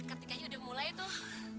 ketikanya udah mulai tuh